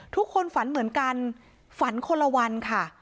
ทุกคนฝันเหมือนกันฝันคนละวันค่ะ